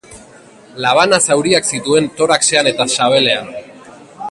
Labana zauriak zituen toraxean eta sabelean.